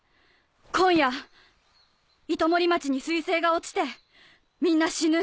今夜糸守町に彗星が落ちてみんな死ぬ。